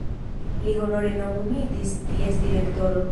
Li honore nomumitis ties direktoro.